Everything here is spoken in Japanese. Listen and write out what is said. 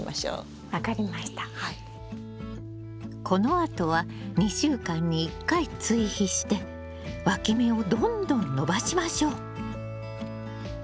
このあとは２週間に１回追肥してわき芽をどんどん伸ばしましょう。